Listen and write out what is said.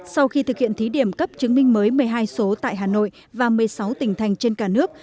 sau khi thực hiện thí điểm cấp chứng minh mới một mươi hai số tại hà nội và một mươi sáu tỉnh thành trên cả nước